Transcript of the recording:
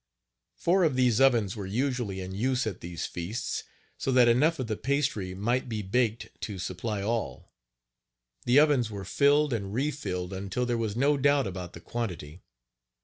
Four of these ovens were usually in use at these feasts, so that enough of the pastry might be baked to supply all. The ovens were filled and refilled until there was no doubt about the quantity.